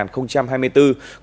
cụm thi đua số bảy